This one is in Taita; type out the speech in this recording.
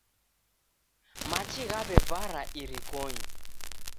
Machi ghaw'evara irikonyi.